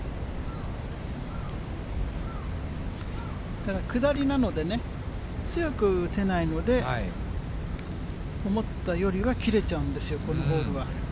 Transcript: だから、下りなのでね、強く打てないので、思ったよりは切れちゃうんですよ、このホールは。